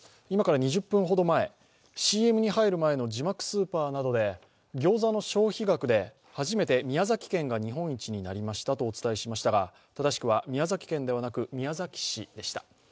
今から２０分ほど前、ＣＭに入る前の字幕スーパーなどでギョーザの消費額で初めて宮崎県が日本一になりましたとお伝えしましたが正しくは宮崎県ではなく宮崎市でした。